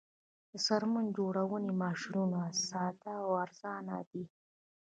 د څرمن جوړونې ماشینونه ساده او ارزانه دي